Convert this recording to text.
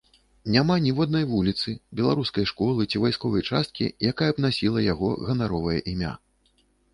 Няма ніводнай вуліцы, беларускай школы ці вайсковай часткі, якая б насіла яго ганаровае імя.